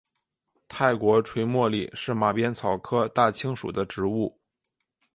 泰国垂茉莉是马鞭草科大青属的植物。